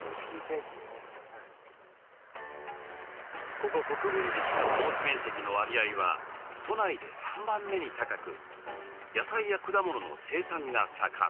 ここ国分寺市の農地面積の割合は都内で３番目に高く野菜や果物の生産が盛ん。